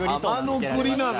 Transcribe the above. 浜の栗なの？